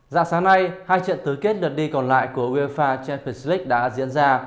dạ sáng nay hai trận tứ kết đợt đi còn lại của uefa champions league đã diễn ra